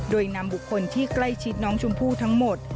โดยนำบุคคลที่ใกล้ชิดน้องชมพู่ทั้งหมด